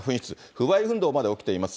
不買運動まで起きています。